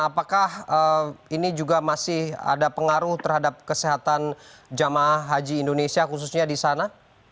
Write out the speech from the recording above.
apakah ini juga masih ada pengaruh terhadap kesehatan jemaah haji indonesia khususnya di sana